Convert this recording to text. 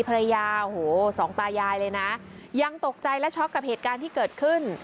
ภรรยาโอ้โหสองตายายเลยนะยังตกใจและช็อกกับเหตุการณ์ที่เกิดขึ้น